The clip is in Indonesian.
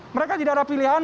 mereka tidak ada pilihan